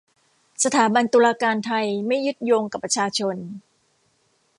สถาบันตุลาการไทยไม่ยึดโยงกับประชาชน